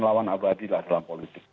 lawan abadi lah dalam politik